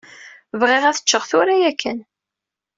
Bɣiɣ ad ččeɣ tura ya kan.